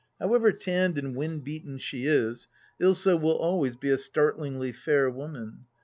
However tanned and wind beaten she is, Ilsa will always be a start lingly fair woman.